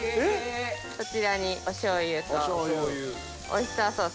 こちらにお醤油とオイスターソース。